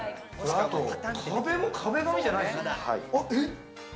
あと壁も壁紙じゃないですよね？